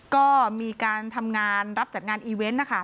ก็มีการทำงานรับจัดงานอีเวนต์นะคะ